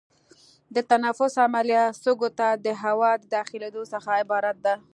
د تنفس عملیه سږو ته د هوا د داخلېدو څخه عبارت ده.